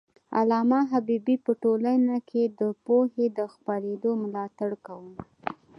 علامه حبيبي په ټولنه کي د پوهې د خپرېدو ملاتړ کاوه.